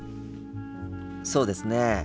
そうですね。